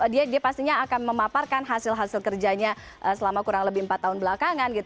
dia pastinya akan memaparkan hasil hasil kerjanya selama kurang lebih empat tahun belakangan